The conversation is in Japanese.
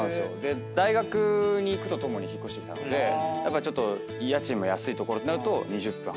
大学に行くとともに引っ越してきたのでやっぱちょっと家賃も安い所になると２０分離れて。